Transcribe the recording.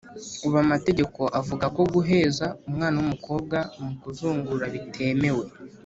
ubu amategeko avuga ko guheza umwana w’umukobwa mu kuzungura bitemewe;